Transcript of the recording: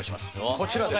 こちらです。